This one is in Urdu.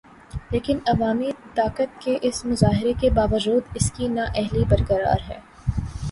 لیکن عوامی طاقت کے اس مظاہرے کے باوجود ان کی نااہلی برقرار ہے۔